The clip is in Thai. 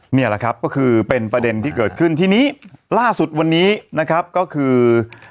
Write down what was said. นี่แหละครับก็คือเป็นประเด็นที่เกิดขึ้นทีนี้ล่าสุดวันนี้นะครับก็คือ